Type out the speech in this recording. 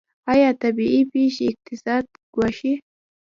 آیا طبیعي پیښې اقتصاد ګواښي؟